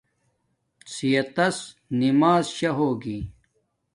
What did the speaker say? صحت تس نماز شا ہوگی